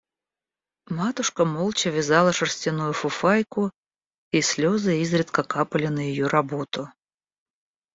Матушка молча вязала шерстяную фуфайку, и слезы изредка капали на ее работу.